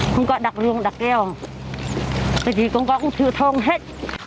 không có đọc rừng đọc kèo cái gì cũng có cũng sửa thông hết